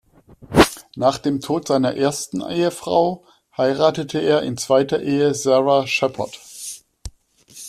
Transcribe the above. Nach dem Tod seiner ersten Ehefrau, heiratete er in zweiter Ehe Sarah Shepherd.